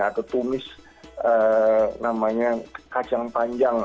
atau tumis namanya kacang panjang